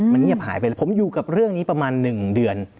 มันเงียบหายไปเลยผมอยู่กับเรื่องนี้ประมาณ๑เดือน